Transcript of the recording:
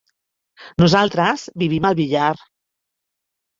Nosaltres vivim al Villar.